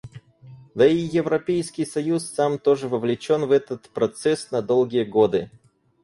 Да и Европейский союз сам тоже вовлечен в этот процесс на долгие годы.